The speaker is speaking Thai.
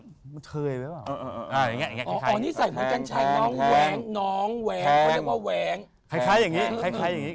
น้องแหวงเค้าเรียกว่าแหวง